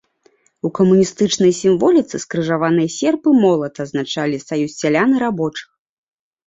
У камуністычнай сімволіцы скрыжаваныя серп і молат азначалі саюз сялян і рабочых.